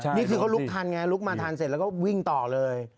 นี่คือเขาลุกทันไงลุกมาทันเสร็จแล้วก็วิ่งต่อเลย